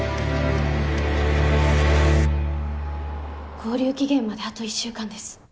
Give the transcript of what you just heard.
勾留期限まであと１週間です。